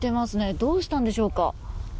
どうしたんでしょうか。